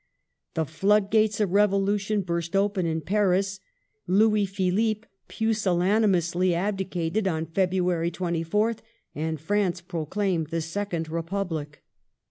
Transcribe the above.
The flood gates of revolution burst open in Paris. Louis Philippe pusillanimously abdicated on February 24th, and France pro claimed the Second Republic.